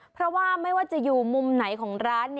เพราะว่าไม่ว่าจะอยู่มุมไหนของร้าน